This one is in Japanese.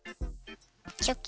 チョキ。